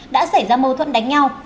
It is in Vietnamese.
đã xảy ra mâu thuẫn đánh nhau